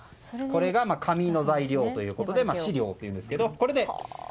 これが紙の材料ということで飼料というんですけど。